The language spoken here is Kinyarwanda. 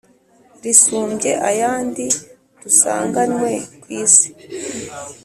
risumbye ayandi dusanganywe ku isi.